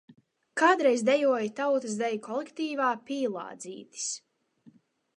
Kādreiz dejoju tautas deju kolektīvā “Pīlādzītis”.